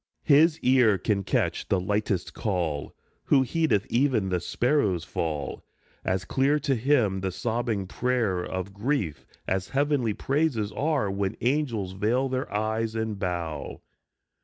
138 GOOD NIGHT His ear can catch the lightest call Who heedeth even the sparrow's fall ; As clear to him the sobbing prayer Of grief, as heavenly praises are When angels veil their eyes and bow.